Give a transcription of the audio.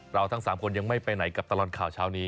ทั้ง๓คนยังไม่ไปไหนกับตลอดข่าวเช้านี้